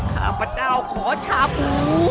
ขอชาบู